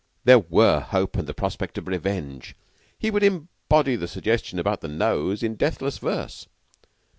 There were hope and the prospect of revenge. He would embody the suggestion about the nose in deathless verse.